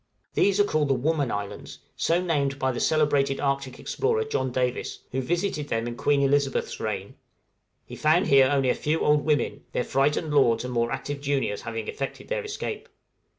These are called the Woman Islands, so named by the celebrated Arctic explorer John Davis, who visited them in Queen Elizabeth's reign; he found here only a few old women, their frightened lords and more active juniors having effected their escape.